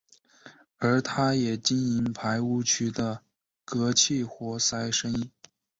而他也经营排污渠的隔气活塞生意。